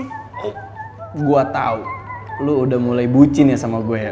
gue tau lo udah mulai bucin ya sama gue ya